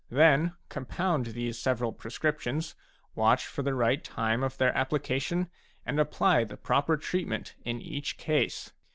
Then compound these several prescriptions, watch for the right time of their application, and apply the proper treatment in each case.